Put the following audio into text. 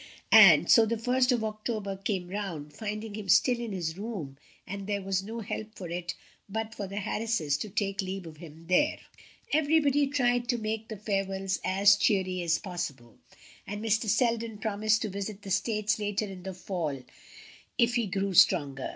And so the first of October came round, finding him still in his room, and there was no help for it but for the Harrises to take leave of him there. Everybody tried to make the farewells as cheery as possible, and Mr. Selden promised to visit the States later in the fall if he grew stronger.